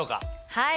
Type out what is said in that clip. はい！